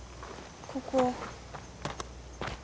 ここ。